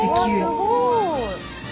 すごい。